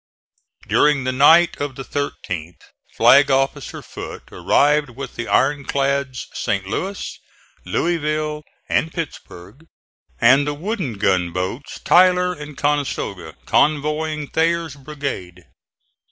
During the night of the 13th Flag officer Foote arrived with the iron clads St. Louis, Louisville and Pittsburg and the wooden gunboats Tyler and Conestoga, convoying Thayer's brigade.